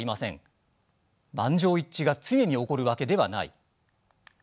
満場一致が常に起こるわけではない。